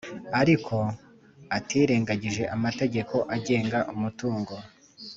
ariko atirengagije amategeko agenga umutungo,